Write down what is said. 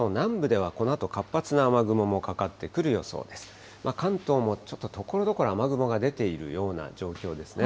関東もちょっとところどころ雨雲が出ているような状況ですね。